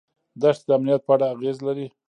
دښتې د امنیت په اړه اغېز لري.